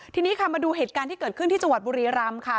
ทีนี้ค่ะมาดูเหตุการณ์ที่เกิดขึ้นที่จังหวัดบุรีรำค่ะ